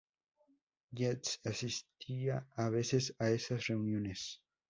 W. B. Yeats asistía a veces a esas reuniones.